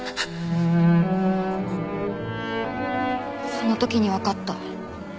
その時にわかった。